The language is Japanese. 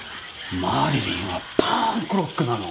マリリンはパンクロックなの。